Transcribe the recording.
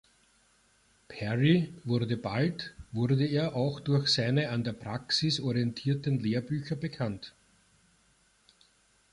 Perry wurde Bald wurde er auch durch seine an der Praxis orientierten Lehrbücher bekannt.